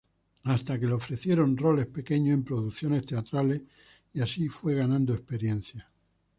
Hasta que le ofrecieron roles pequeños en producciones teatrales, y así fue ganando experiencia.